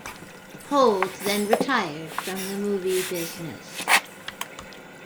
Hold then retired from the movie business.